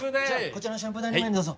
こちらのシャンプー台のほうへどうぞ。